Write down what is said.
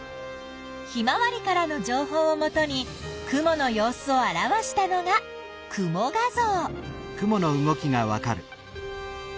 ひまわりからの情報をもとに雲の様子を表したのが雲画像。